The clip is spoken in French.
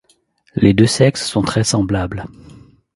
Les deux sexes sont très semblables.